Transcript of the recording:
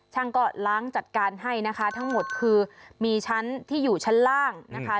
ช่างก็ล้างจัดการให้นะคะทั้งหมดคือมีชั้นที่อยู่ชั้นล่างนะคะ